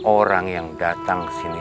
orang yang datang kesini